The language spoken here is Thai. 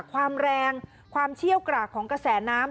ความแรงความเชี่ยวกรากของกระแสน้ำ